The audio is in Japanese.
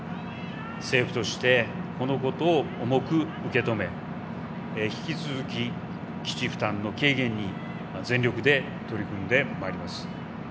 政府としてこのことを重く受け止め引き続き、基地負担の軽減に全力で取り組んでまいります。